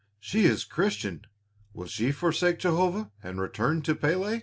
"She is Christian; will she forsake Jehovah and return to Pélé?"